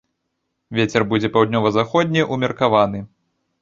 Вецер будзе паўднёва-заходні ўмеркаваны.